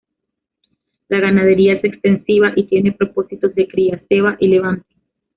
La ganadería es extensiva y tiene propósitos de cría, ceba y levante.